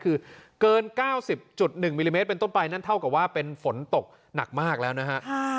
คือเกิน๙๐๑มิลลิเมตรเป็นต้นไปนั่นเท่ากับว่าเป็นฝนตกหนักมากแล้วนะฮะ